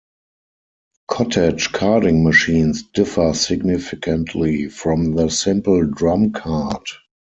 Cottage carding machines differ significantly from the simple drum card.